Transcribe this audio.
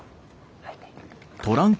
はい。